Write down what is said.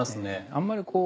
あんまりこう。